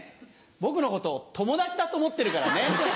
僕のことを友達だと思ってるからね。